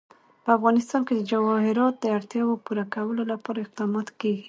په افغانستان کې د جواهرات د اړتیاوو پوره کولو لپاره اقدامات کېږي.